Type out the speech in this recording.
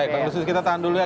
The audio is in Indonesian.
baik pak kita tahan dulu ya